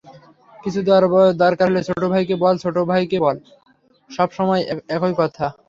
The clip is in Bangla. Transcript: কিছু দরকার হলে ছোট ভাইকে বল, ছোট ভাইকে বল, সব সময় একই কথা।